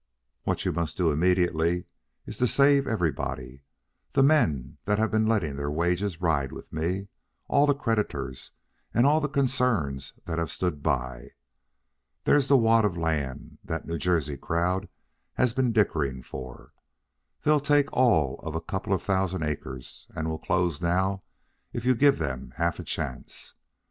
What you must do immediately is to save everybody the men that have been letting their wages ride with me, all the creditors, and all the concerns that have stood by. There's the wad of land that New Jersey crowd has been dickering for. They'll take all of a couple of thousand acres and will close now if you give them half a chance.